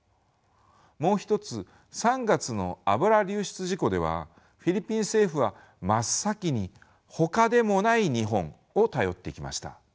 もう一つ３月の油流出事故ではフィリピン政府は真っ先にほかでもない日本を頼ってきました。